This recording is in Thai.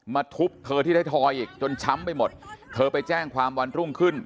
ทุบเธอที่ไทยทอยอีกจนช้ำไปหมดเธอไปแจ้งความวันรุ่งขึ้น